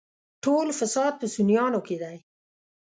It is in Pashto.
ټول فساد په سنيانو کې دی.